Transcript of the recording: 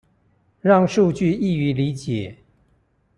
讓數據易於理解